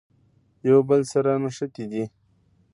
یو بل سره نښتي دي.